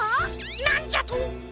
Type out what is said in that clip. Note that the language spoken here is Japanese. なんじゃと？